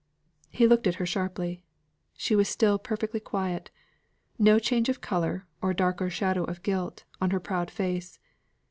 He looked at her sharply. She was still perfectly quiet no change of colour, or darker shadow of guilt, on her proud face.